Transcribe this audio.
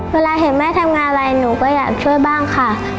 เวลาเห็นแม่ทำงานอะไรหนูก็อยากช่วยบ้างค่ะ